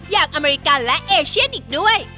อเมริกันและเอเชียนอีกด้วย